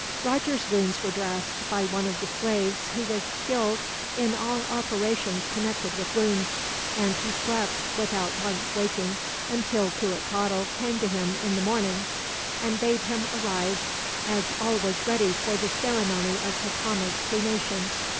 Roger's wounds were dressed, by one of the slaves who was skilled in all operations connected with wounds; and he slept, without once waking, until Cuitcatl came to him in the morning and bade him arise, as all was ready for the ceremony of Cacama's cremation.